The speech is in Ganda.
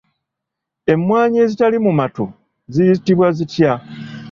Emmwanyi ezitali mu matu zi yitibwa zitya?